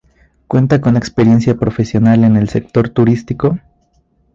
Cuenta con experiencia profesional en el sector turístico.